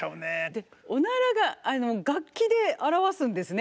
でおならが楽器で表すんですね